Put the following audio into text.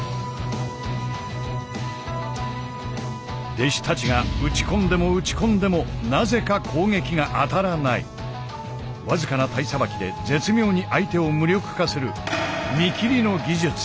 弟子たちが打ち込んでも打ち込んでもなぜか僅かな体さばきで絶妙に相手を無力化する「見切り」の技術。